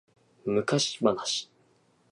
昔話